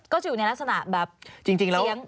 ก็จะอยู่ในลักษณะแบบเจี๊ยง